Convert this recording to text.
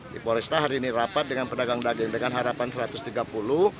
di poresta hari ini rapat dengan pedagang daging dengan harapan rp satu ratus tiga puluh